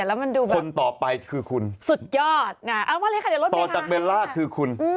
แล้วมันดูแบบสุดยอดเอาว่าอะไรค่ะเดี๋ยวลดเบลล่าค่ะตัวจากเบลล่าคือคุณ